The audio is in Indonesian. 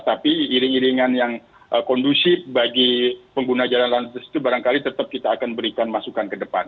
tapi iring iringan yang kondusif bagi pengguna jalan lantas itu barangkali tetap kita akan berikan masukan ke depan